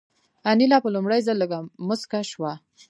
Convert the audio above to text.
انیلا په لومړي ځل لږه موسکه شوه